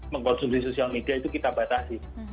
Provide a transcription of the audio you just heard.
mengkonsumsi sosial media itu kita batasi